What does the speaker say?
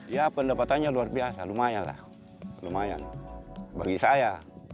ya pendapatannya luar biasa lumayan lah lumayan bagi saya